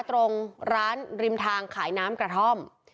ตรงร้านริมทางขายน้ำกระท่อม